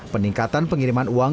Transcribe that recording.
peningkatan pengiriman uang